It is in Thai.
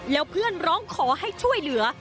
แล้วเพื่อนร้องขอให้ช่วยเหลือ